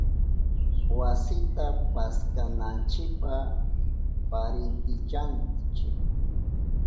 Wasita paskananchipa parintillanchi.